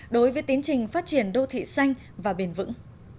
đối với tiến trình phát triển đô thị xanh và bền vững